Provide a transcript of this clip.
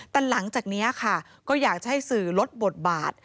แต่หลังจากนี้ค่ะก็อยากจะให้สื่อลดบทบาท